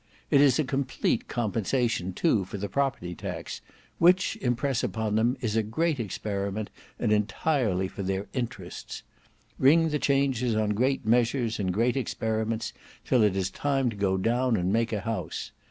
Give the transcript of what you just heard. It is a complete compensation too for the property tax, which impress upon them is a great experiment and entirely for their interests. Ring the changes on great measures and great experiments till it is time to go down and make a house.